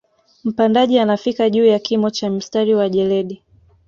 Mpandaji anafika juu ya kimo cha mstari wa jeledi